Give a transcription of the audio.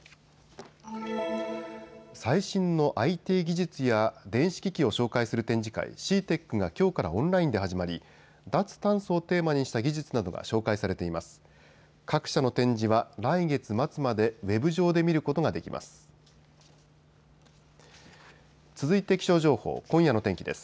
最新のＩＴ技術や電子機器を紹介する展示会、ＣＥＡＴＥＣがきょうからオンラインで始まり脱炭素をテーマにした技術などが紹介されています。